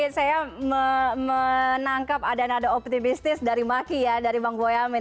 saya menangkap ada nada optimistis dari maki ya dari bang boyamin